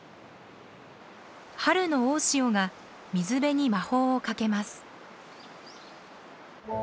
春の大潮が水辺に魔法をかけます。